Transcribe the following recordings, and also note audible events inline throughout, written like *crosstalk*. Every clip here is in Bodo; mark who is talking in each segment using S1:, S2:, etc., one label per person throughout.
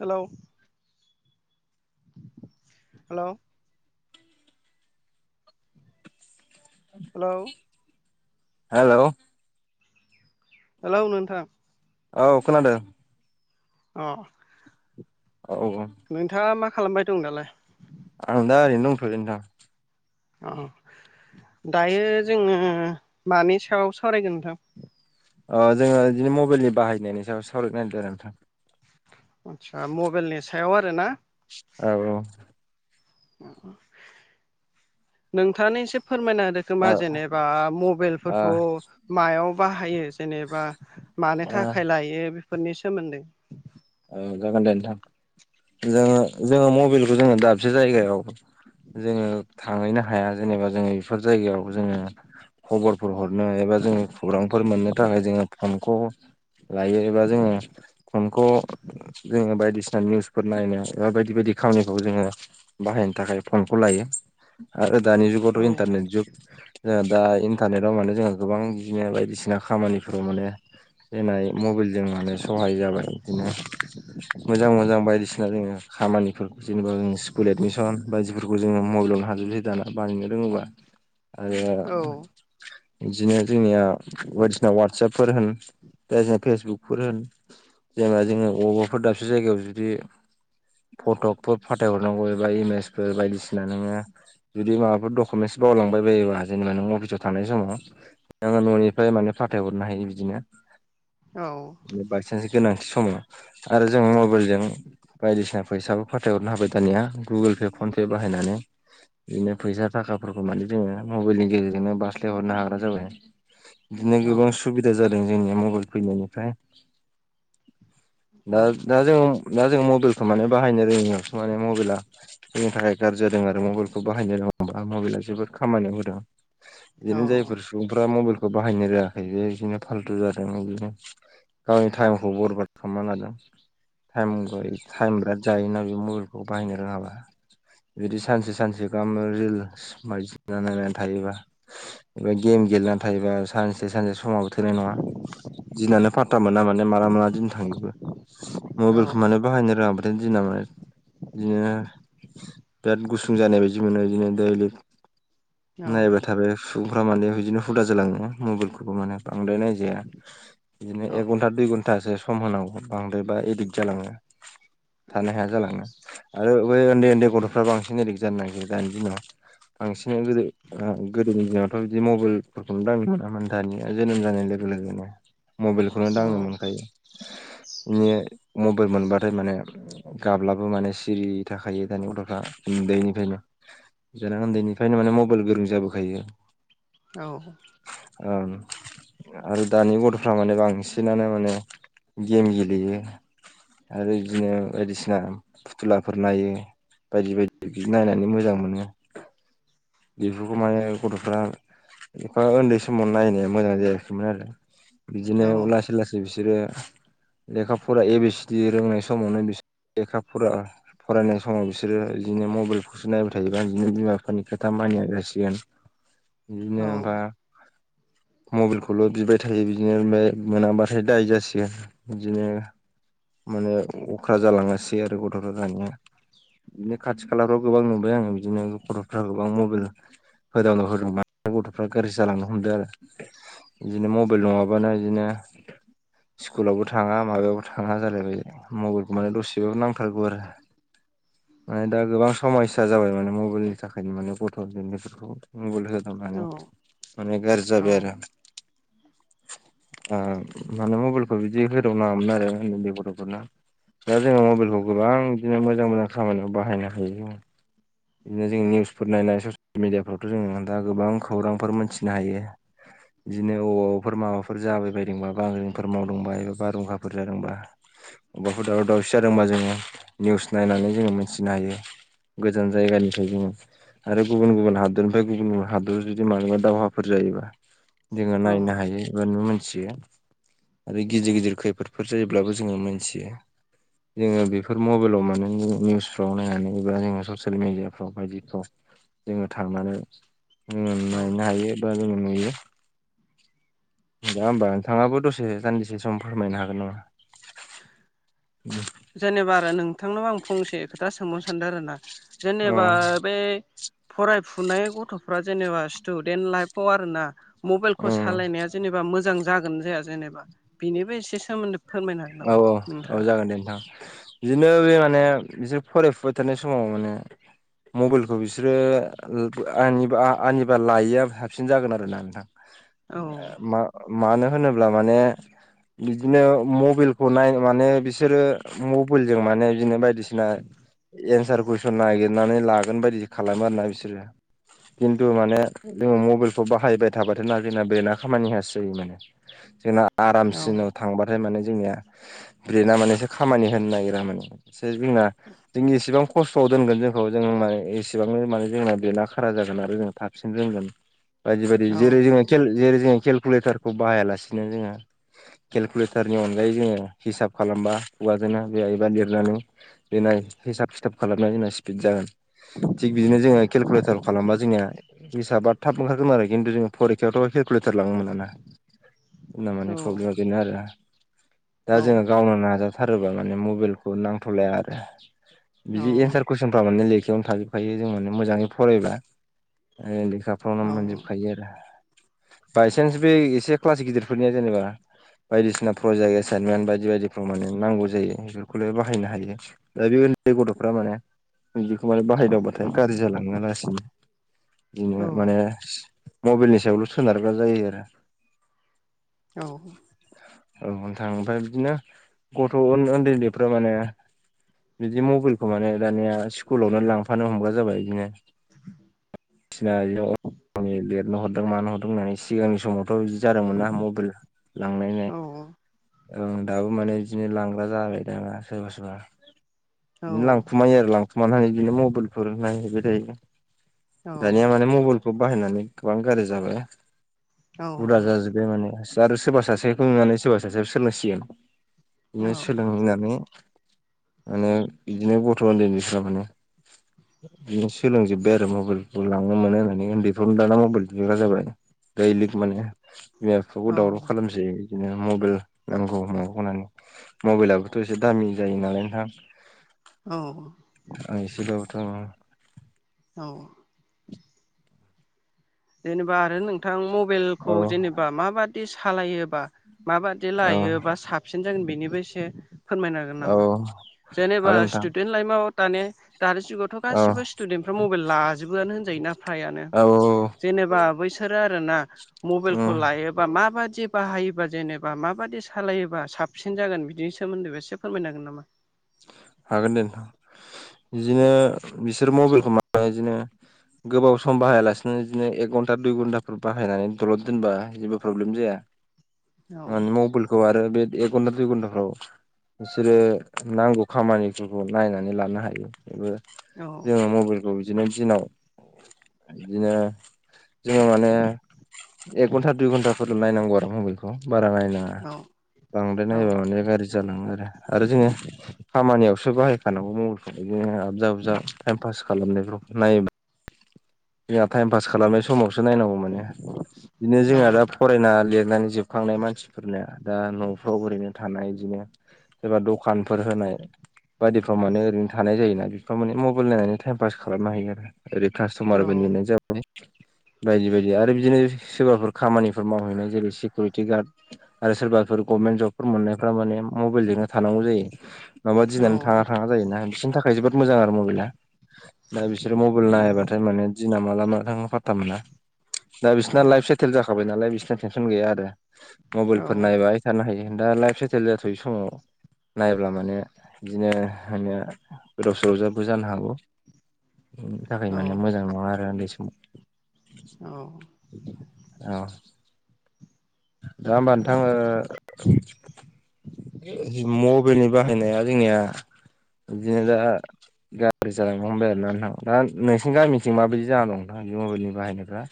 S1: Hello hello hello
S2: hello
S1: hello नोंथां
S2: औ खोनादों
S1: अ
S2: औ
S1: नोंथाङा मा खालामबाय दं नालाय
S2: आं दा ओरैनो दंथयो नोंथां
S1: अ दायो जोंङो मानि सायाव सावरायगोन नोंथां
S2: अ जोंङो बिदिनो मबाइलनि बाहायनायनि सायाव सावराय नागिरदों आरो नोंथां
S1: आदसा मबाइेलनि सायाव आरो ना
S2: औ-औ
S1: नोंथांङानो एसे फोरमायना खोमा
S2: नोंथां
S1: जेनेबा
S2: औ ओ
S1: मबाइलफोरखौ मायाव बाहायो जेनेबा मानो
S2: ओ
S1: थाखाय लायो बेफोरनि सोमोन्दै
S2: औ जागोन दे नोंथां जोंङो जोंङो मबाइलखौ जोंङो दाबसे जायगायाव जोंङो थांहैनो हाया जेनेबा जोंङो बेफोर जायगायाव जोंङो खबरफोर हरनो एबा जोंङो खौरांफोर मोननो थाखाय जोंङो फनखौ लायो एबा जोङो फनखौ जोङो बायदिसिना निउसफोर नायनो एबा बायदि बायदि खामानिखौ जोङो बाहायनो थाखाय फनखौ लायो आरो दानि जुगाव
S1: औ
S2: इन्टारनेट जुग जोंहा दा इन्टारनेटआव माने जोङो गोबां बिदिनो बायदिसिना खामानिफोराव माने फैनाय मबाइलजों माने सहाय जाबाय बिदिनो मोजां मोजां बायदिसिना जोङो खामानिफोर जेनेबा स्कुल एदमिसन बायदि फोरखौ जोङो मबाइलावनो हाजोबसै दाना बानायनो रोङोबा आरो
S1: औ
S2: बिदिनो जोंनिया बायदिसिना वाटसापफोर होन दा जे फेसबुक फोर होन जेनेबा जोङो अबावबाफोर दाबसे जायगायाव जुदि फट'फोर फाथायहरनांगौ एबा इमेजफोर बायदिसिना नोङो जुदि माबाफोर डकुमेन्टस बावलांबाय बायोबा जेनेबा नों अफिसाव थानाय समाव नोङो न'निफ्राय माने फाथायहरनो हायो बिदिनो
S1: औ
S2: बायसान्स गोनांथि समाव आरो जों मबाइलजों बायदिसिना फैसाबो फाथायहरनो हाबाय दानिया गुगोल पे फनपे बाहायनानै बिदिनो फैसा थाखाफोरखौ माने जोङो मबाइलनि गेजेरजोंनो बारस्लायहरनो हाग्रा जाबाय बिदिनो गोबां
S1: औ
S2: सुबिदा जादों जोंनिया मबाइल फैनायनिफ्राय
S1: औ
S2: दा दा जों दा जों मबाइलखौ माने बाहायनो रोङियावसो माने मबाइला जोंनि थाखाय गाज्रि जादों आरो मबाइलखौ बाहायनो रोङोब्ला मबाइला जोबोद खामानियाव होदों
S1: औ
S2: बिदिनो जायफोर सुबुंफ्रा मबाइलखौ बाहायनो रोङाखै बे बिदिनो फाल्थु जादों बिदिनो गावनि टाइमखौ बर्बाद खालामना लादों टाइम ग *unintelligible* टाइम बिराद जाहैनांगौ बे मबाइलखौ बाहायनो रोङाबा बिदि सानसे सानसे गाहाम रिल्स बायदिसिना नायनानै थायोबा एबा गेम गेलेनानै थायोबा सानसे सानसे समाबो थोनाय नङा दिनानो फात्ता मोना माने माला माला दिन था थांजोबो
S1: औ
S2: मबाइलखौ माने बाहायनो रोङा बाथाय दिना माने बिदिनो बिराद गुसुं जानाय बायदि मोनो बिदिनो दैलि
S1: औ
S2: नायबाय थाबाय सुबुंफ्रा माने बिदिनो हुदा जालाङो मबाइलखौबो माने बांद्राय नायजा जाया बिदिनो
S1: औ
S2: एक घन्टा दुइ घन्टासो सम होनांगौ बांद्रायबा एदिक्ट जालाङो थानो हाया जालाङो आरो बै उन्दै उन्दै गथ'फ्रा बांसिन एदिक जानो नागिरो दानि दिनाव बांसिनानो गोदो गोदोनि दिनावथ' बिदि मबाइलफोरखौनो दांनो मोनामोन दानिया जोनोम जानाय लोगो लोगोनो मबाइलखौनो दांनो मोनखायो बिनि मबाइल मोनबाथाय माने गाब्लाबो माने सिरि थाखायो दानि गथ'फ्रा उन्दैनिफ्रायनो जाना उन्दैनिफ्रायनो माने मबाइल गोरों जाबोखायो
S1: औ
S2: आरो दानि गथ'फ्रा माने बांसिनानो माने गेम गेलेयो आरो बिदिनो बायदिसिना फुथुलाफोर नायो बायदि बायदि बि नायनानै मोजां मोनो बेफोरखौ माने गथ'फ्रा एफा उन्दै समाव नायनाया मोजां जायाखैमोन आरो बिदिनो
S1: औ
S2: लासै लासै बिसोरो लेखा फरा ए बि सि डि रोंनाय समावनो बिसोर लेखा फरा फरायनाय समाव बिसोरो बिदिनो मबाइलखौसो नायबाय थायोबा बिदिनो बिमा बिफानि खोथा मानिया जासिगोन
S1: *inaudible*
S2: बिदिनो ओमफ्राय मबाइलखौल' बिबाय थायो बिदिनो ओमफ्राय नेट मोनाब्लाथाय दायो जासिगोन बिदिनो माने अख्रा जालाङासै आरो गथ'फ्रा दानिया बिदिनो खाथि खालाफ्राव गोबां नुबाय आंङो बिदिनो गथ'फ्रा गोबां मबाइल होदावनोवा होदों गथ'फ्रा गाज्रि जालांनो हमदों आरो बिदिनो मबाइल नङाबानो बिदिनो स्कुलावबो थांङा माबायावबो थांङा जालायबाय मबाइलखौ माने दसेबाबो नांथारगौ आरो माने दा गोबां समयसा जाबाय माने मबाइल नि थाखायनो माने गथ'नायफोरखौ मबाइल होदावनानै माने गाज्रि
S1: औ
S2: जाबाय आरो माने मबाइल बिदि होदाव नांङामोन आरो उन्द उन्दै गथ'फोरनो दा जोंङो मबाइलखौ गोबां बिदिनो मोजां मोजां खामानियाव बाहायनो हायो जोंङो बिदिनो जों निउसफोर नायनाय ससियेल मिडियाफ्रावथ' जोंङो दा गोबां खौरांफोर मोनथिनो हायो बिदिनो अबावाबाफोर माबाफोर जाबाय बायदोंबा बांजोंफोर माव दोंबा एबा बार हुंखाफोर जादोंबा अबेबाफोर दावराव दावसि जादोंबा जोङो निउस नायनानै जोंङो मिथिनो हायो गोजान जायगानिफ्राय जोङो आरो गुबुन गुबुन हादरनिफ्राय गुबुन गुबुन हादराव जुदि मानिबा दावहाफोर जायोबा जोंङो
S1: औ
S2: नायनो हायो एबा नु मोनथियो आरो गिदिर गिदिर खैफोदफोर जायोब्लाबो जोङो मोनथियो जोंङो बेफोर मबाइलाव मानो जोो निउसफ्राव नायनानै एबा जोंङो ससियेल मिडियाफ्राव बायदिफ्राव जोंङो थांनानै
S1: औ
S2: नायनो हायो जोंङो नुयो दा होमबा नोंथाङाबो दसे सान्दिसे सम फोरमायनो हागोन नामा
S1: *unintelligible*
S2: उम
S1: जेनेबा आरो नोंथांनाव आं फंसे खोथा सोंबावनो सानदों आरोना
S2: नामा?
S1: जेनेबा बे फरायफुनाय गथ'फ्रा जेनेबा स्टुडेन्ट लाइफआव आरोना मबाइलखौ
S2: अ
S1: सालायनाया जेने मोजां जागोन जाया जेनेबा बिनिबोसे सोमोन्दो
S2: औ-औ-औ जागोन दे नोंथां बिदिनो बे माने बिसोर फरायफुबाय थानाय समाव माने मबाइलखौ बिसोरो आा आंनिबा लायैआ हाबसिन जागोन आरो ना
S1: औ
S2: मानो होनोब्ला माने बिदिनो मबलखौ नाय माने बिसोरो मबाइल जों माने बिदिनो बायदिसिना एन्सार कुइसन नागिरनानै लागोन बायदि खालामो आरोना बिसोरो खिन्थु माने जोङो मबाइलखौ बाहायबाय थाबाथ' नागिरना बे नना खामानियासो जायो माने जोंना
S1: औ
S2: आरामसिनाव थांबाथाय माने जोंनिया ब्रेना माने एसे खामानि होनो नागिरा माने एसे जोंना जोंनि एसेबां खस्थ'आव दोनगोन जोंखौ जों माने एसेबांनो माने जोंना बेना खारा जागोन आरो जों थाबसिन रोंगोन बायदि बायदि
S1: औ
S2: जेरै जोंङो जेरै जोंङो केलकुलेटारखौ बाहायालासिनो जोंङो केलकुलेटार बेनि अनगायै जोंङो हिसाब खगाजों जि हायोबा लिरनानै बेना हिसाब खिथाब खालामनानै जोंना स्पिड जागोन थिग बिदिनो जोंङो केलकुलेटार खालामबा जोनिया हिसाबा थाब ओंखारोन आरो खिन्थु जोंनि फरिखाायावथ' ककुलेटार लाङोमोनाना होनना माने
S1: औ
S2: प्रब्लेमा बेनो आरो दा
S1: औ
S2: जोंङो गावनो नाजाथारोबा माने मबाइलखौ नांथ'लाया आरो
S1: औ
S2: बिदि एन्सारखौ कुइसनफ्रा माने लेखायावनो थागैोबखायो जों माने मोजांङै फरायबा लेखा फ्रावनो
S1: औ औ
S2: मोनजोबखायो आरो बायसान्स बे एसे क्लास गिदिरफोरनिया जेनेबा बायदिसिना प्रजेक्ट एसाइनमेन्ट बायदि बायदिफ्राव माने नांगौ जायो बेफोरखौल बाहायनो हायो दा बे उन्दै गथ'फ्रा माने दिखौ माने बाहायदावबाथाय गाज्रि जालाङो लासैनो
S1: औ
S2: बिदिनो माने मबाइलनि सायावल' सोनारग्रा जायो आरो
S1: औ
S2: औथां ओमफ्राय बिदिनो गथ' उन्दै उन्दैफ्रा माने बिदि मबाइलखौ माने दानिया स्कुलावनो लांफानो हमग्रा जाबाय बिदिनो बायदिसिना लिरना हर दों मानो हदों होननानै सिगांनि समावथ' बिदि जादोंमोन ना मबाइल लांनायनाय
S1: औ
S2: ओं दाबो माने बिदिनो लांग्रा जाबाय दामा सोरबा सोरबा बिदिनो लांखुमायो आरो लांखुमाना बिदिनो मबाइलफोर नायहैबाय थायो दानिया माने मबाइलखौ बाहायनानै गोबां गाज्रि जाबाय बुरजा जाजोब बे माने आरो सोरबा सासेखौ नुनानै सोरबा सासेयाबो सोलोंसिगोन बिदिनो सोलोंनानै माने बिदिनो गथ' उन्दै उन्दैफ्रा माने बिदिनो सोलोंजोबबाय आरो मबाइल लांनो मोनो होननानै उन्दै फ्राबो दाना मबाइल बिलाग्रा जाबाय दैलिक माने बिमा बिफाखौ दावराव खालाम सै बिदिनो मबाइल नांगौ मागौ होननानै मबाइलाबोथ' एसे दामि जायो नालाय नोंथां
S1: औ
S2: आं एसे बाबोथ'
S1: औ जेनेबा आरो नोंथां
S2: औ
S1: मबाइलखौ जेनेबा माबादि सालायोबा माबादि
S2: औ
S1: लायो बा साबसिन जागोन बेनिबो एसे फोरमायनो हागोन
S2: औ
S1: नामा जेनेबा
S2: हागोन नोंथां
S1: स्टुडेन्ट लाइफआव दानि दानि जुगावथ'
S2: औ
S1: गासिबो स्टुदेन्ट फ्रा मबाइल लाजोबोआनो होनजायो ना फ्रायानो
S2: औ औ
S1: जेनेबा बैसोरो आरो ना मबाइलखौ
S2: उम
S1: लायो बा माबादि बाहायोबा जेनेबा माबादि सालायोबा साबसिन जागोन बिदिनि सोमोन्दैबो एसे फोरमायनो हागोन नामा
S2: हागोन दे नोंथां बिदिनो बिसोर मबाइलखौ माबा बिदिनो गोबाव सम बाहायालासिनो बिदिनो एक घन्टा दुइ घन्टाफोर बाहायनानै दलद दोनबा जेबो प्रब्लेम जाया
S1: औ
S2: ओ मबाइलखौ आरो बे एक घन्टा दुइ घन्टाफ्राव बिसोरो नांगौ खामानिफोरखौ नायनानै लानो हायो बेबो जोङो मबाइल बिदिनो दिनाव बिदिनो जोङो माने एक घन्टा दुइ घन्टाफोर नायनांगौ आरो मबेलखौ बारा नायनाङा
S1: औ
S2: बांद्राय
S1: औ
S2: नायबा माने गाज्रि जालाङो आरो आरो जोङो खामानियावसो बाहायखानांगौ मबाइलफ्राव बिदिनो आबजा आबजा टाइम पास खालामनायाव नायोब्ला जोंहा टाइम पास खालामनाय समावसो नायनांगौ माने बिदिनो
S1: औ
S2: जोंहा दा फरायना लिरनानै जोबखांनाय मानसिफोरनो दा न'फ्राव ओरैनो थानाय इदिनो एबा दखानफोर होनाय बायदिफ्राव माने ओरैनो थानाय जायोना बेफोराव माने मबाइल नायनानै टाइम पास खालामनो हायो आरो ओरै
S1: औ
S2: सतमारबो नेनाय जाबाय बायदि बायदि आरो बिदिनो सोरबाफोर खामानिफोर मावहैनाय जेरै सिकिउरिटि गार्ड आरो सोरबाफोर गभमेन्ट जबफोर मोननायफोरा माने मबाइलजोंनो थानांगौ जायो माबा दिनानै थाङा थाङा जायोना बिसोरनि थाखाय जोबोद मोजां आरो मबाइला दा बिसोरो मबाइल नायाबा ओमफ्राय माने दिना माला मा थाङो फाथ्था मोना दा बिसोरना लाइफ सेटेल जाखाबाय नालाय बिसोरना टेनसन गैया आरो मबाइलफोर नायबाय थानो हायो दा लाइफ सेटाइल जाथ'यै समाव नायब्ला माने बिदिनो माने गोदाव सोरावबो जानो हागौ बिनि थाखाय
S1: औ
S2: माने मोजां नङा आरो उन्दै समाव
S1: औ
S2: औ दा होमबा नोंथां ओ मबाइलनि बाहायनाया जोंनिया बिदिनो दा गारजि जालांनो हमबाय आरो ना नोंथां दा नोंसिनि गामिथिं माबायदि जानानै दं नोंथां बे मबाइलनि बाहायनायफ्रा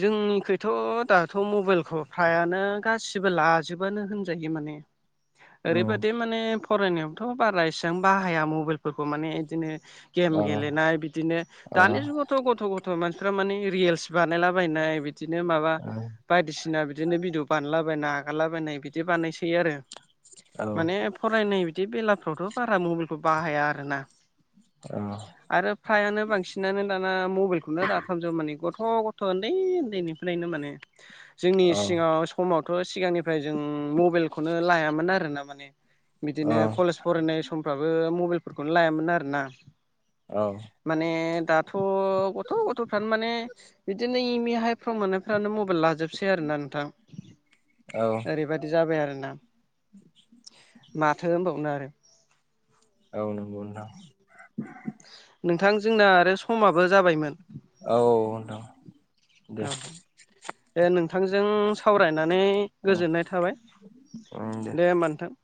S1: जोंनिखैथ' दाथ' मबाइलखौ फ्रायानो गासिबो लाजोबानो होनजायो माने *inaudible*
S2: औ
S1: ओरैबादि माने फरायनायावथ' बारा इसेबां बाहाया मबाइलफोरखौ माने बिदिनो गेम
S2: औ
S1: गेलेनाय बिदिनो
S2: औ
S1: दानि जुगावथ' गथ' गथ' मानसिफ्रा माने रियेल स बानायलाबायनाय बिदिनो माबा बायदिसिना बिदिनो बिभिअ बानलाबायना आगारलाबायनाय बिदि बानायसैयो आरो
S2: औ
S1: माने फरायनाय बिदि बेलाफ्रावथ' बारा मबेलखौ बाहाया आरोना
S2: अ
S1: आरो फ्रायानो बांसिनानो दाना मबेइलखौनो लाफ्राम जोबो माने गथ' गथ' गथ' उन्दै उन्दैनिफ्रायनो माने जोंनि सिगाङाव समावथ' सिगांनिफ्राय जों मबेइलखौनो लायामोन आरोना माने
S2: औ
S1: बिदिनो कलेज फरायनाय समफ्राबो मबेइलफोरखौनो लायामोन आरोना
S2: औ
S1: माने दाथ' गथ' गथ'फ्रानो माने बिदिनो इमि हाइ फ्राव मोननायफ्रानो मबाइल लाजोबसै आरोना नोंथां
S2: औ
S1: बेबादि जाबाय आरोना माथो होनबावनो आरो
S2: औ नंगौ नोंथां
S1: नोंथां जोंना आरो समाबो जाबायमोन
S2: औ नोंथां दे
S1: औ दे नोंथांजों सावरायनानै
S2: उम
S1: गोजोननाय थाबाय दे होमबा नोंथां